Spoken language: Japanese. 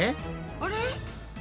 あれ？